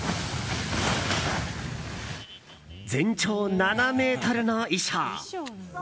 全長７ｍの衣装。